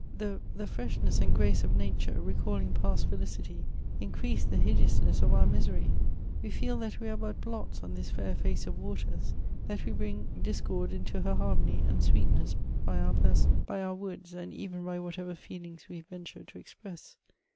The fineshness and grace of natore, reealling past felicity, increase the hideousness of our misery. We feel that we are bat blots on this hir £ace of nature, that we bring dis^ cord into her harmony and sweetness by our presence, bj our words, and even by whatever fedings we venture to express.